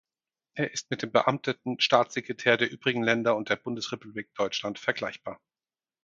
Er ist mit dem beamteten Staatssekretär der übrigen Länder und der Bundesrepublik Deutschland vergleichbar.